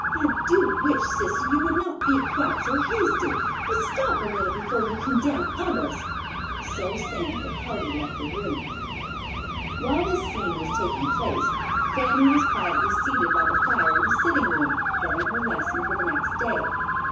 I do wish, sister, you would not be quite so hasty, but stop a little before you condemn others." So saying, the party left the room. While this scene was taking place, Fanny was quietly seated by the fire in the sitting room, getting her lesson for the next day.